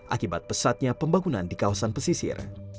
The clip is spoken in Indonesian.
akibat pesatnya pembangunan di kawasan pesisir